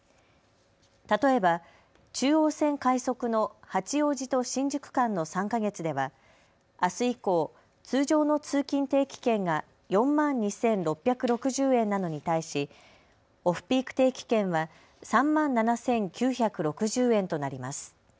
例えば中央線・快速の八王子と新宿間の３か月ではあす以降、通常の通勤定期券が４万２６６０円なのに対しオフピーク定期券は３万７９６０円となります。